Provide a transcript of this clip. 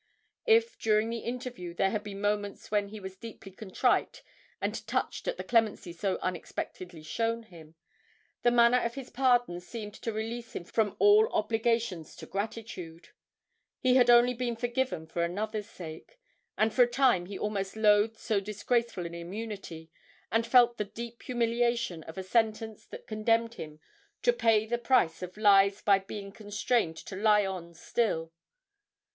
If, during the interview, there had been moments when he was deeply contrite and touched at the clemency so unexpectedly shown him, the manner of his pardon seemed to release him from all obligations to gratitude he had only been forgiven for another's sake; and for a time he almost loathed so disgraceful an immunity, and felt the deep humiliation of a sentence that condemned him 'to pay the price of lies by being constrained to lie on still.'